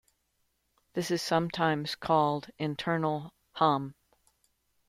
This is sometimes called internal Hom.